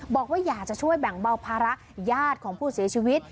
บอกว่าอยากจะช่วยแบ่งเบาภาระญาติของผู้เสียชีวิต